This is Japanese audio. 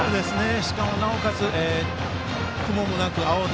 しかもなおかつ雲もなく青空。